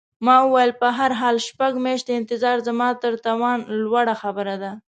ما وویل: په هر حال، شپږ میاشتې انتظار زما تر توان لوړه خبره ده.